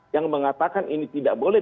yang mengatakan ini tidak boleh